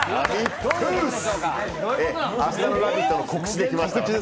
明日の「ラヴィット！」の告知で来ました。